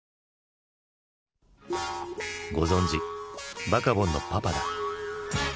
ご存じバカボンのパパだ。